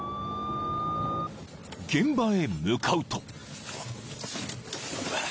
［現場へ向かうと］